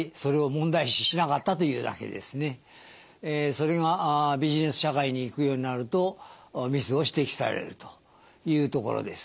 それがビジネス社会にいくようになるとミスを指摘されるというところです。